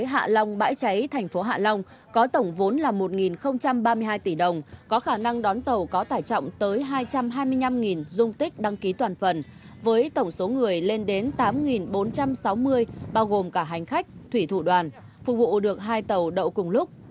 hạ long bãi cháy thành phố hạ long có tổng vốn là một ba mươi hai tỷ đồng có khả năng đón tàu có tải trọng tới hai trăm hai mươi năm dung tích đăng ký toàn phần với tổng số người lên đến tám bốn trăm sáu mươi bao gồm cả hành khách thủy thủ đoàn phục vụ được hai tàu đậu cùng lúc